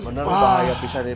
bener bahaya bisa nih